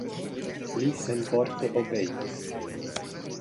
Li senvorte obeis.